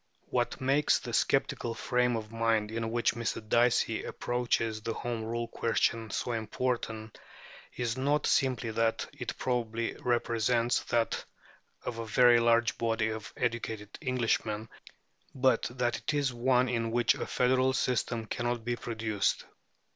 What makes the sceptical frame of mind in which Mr. Dicey approaches the Home Rule question so important is not simply that it probably represents that of a very large body of educated Englishmen, but that it is one in which a federal system cannot be produced.